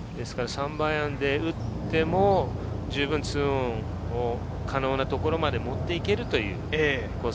３番アイアンで打っても、じゅうぶん２オンを可能なところまで持っていけるという、コース